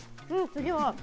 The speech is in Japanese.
次は？